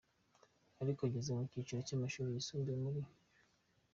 Ariko ageze mu cyiciro cy’amashuri yisumbuye muri St.